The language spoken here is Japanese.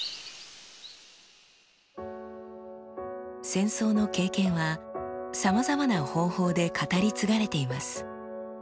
戦争の経験はさまざまな方法で語り継がれています。